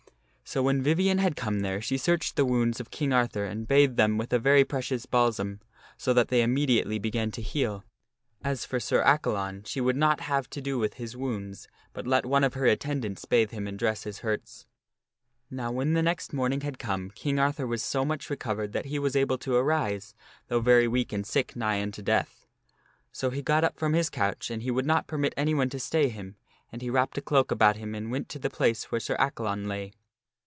So when Vivien had come there she searched the wounds of King Arthur and bathed them with a very precious balsam, so that they imme diately began to heal. As for Sir Accalon, she would not have .... J fe ii. Vivien healeth to do with his wounds, but let one of her attendants bathe him King Arthur. and dress his hurts. Now when the next morning had come, King Arthur was so much recovered that he was able to arise, though very weak and sick nigh unto death. So he got up from his couch and he would not permit anyone to stay him, and he wrapped a cloak about him and went to the place where Sir Accalon lay.